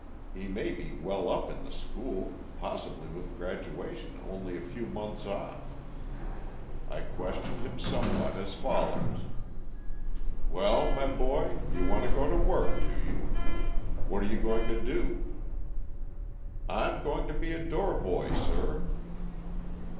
He may be well up in the school, possibly with graduation only a few months off. I question him somewhat as follows: 'Well, my boy, you want to go to work, do you? What are you going to do?' 'I am going to be a door boy, sir.'